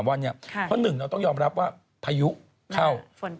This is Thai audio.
เพราะหนึ่งเราต้องยอมรับว่าพายุเข้า